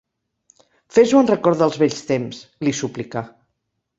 Fes-ho en record dels vells temps —li suplicà.